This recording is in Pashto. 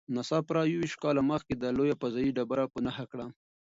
ناسا پوره یوویشت کاله مخکې دا لویه فضايي ډبره په نښه کړه.